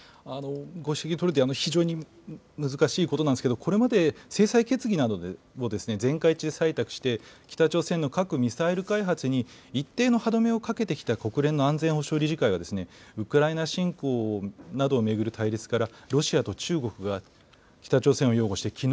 ご指摘のとおりで、非常に難しいことなんですけれども、これまで制裁決議などを全会一致で採択して、北朝鮮の核・ミサイル開発に一定の歯止めをかけてきた国連の安全保障理事会は、ウクライナ侵攻などを巡る対立から、ロシアと中国が北朝鮮を擁護して、機